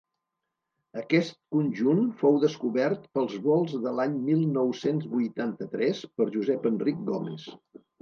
Aquest conjunt fou descobert pels volts de l'any mil nou-cents vuitanta-tres per Josep-Enric Gómez.